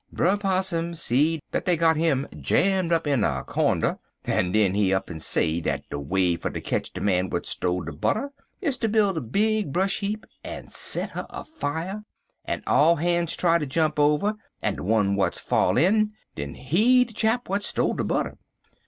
Brer Possum see dat dey got 'im jammed up in a cornder, en den he up en say dat de way fer ter ketch de man w'at stole de butter is ter b'il' a big bresh heap en set her afier, en all han's try ter jump over, en de one w'at fall in, den he de chap w'at stole de butter.